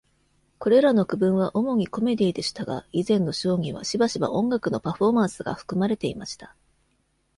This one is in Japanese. これらの区分は主にコメディーでしたが、以前のショーにはしばしば音楽のパフォーマンスが含まれていました。